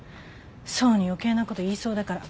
想に余計なこと言いそうだから。